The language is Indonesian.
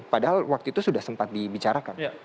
padahal waktu itu sudah sempat dibicarakan